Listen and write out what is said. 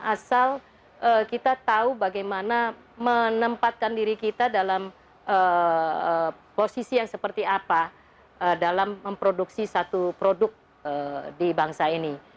asal kita tahu bagaimana menempatkan diri kita dalam posisi yang seperti apa dalam memproduksi satu produk di bangsa ini